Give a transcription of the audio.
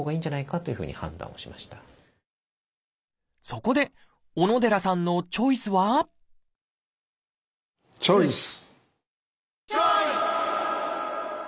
そこで小野寺さんのチョイスはチョイス！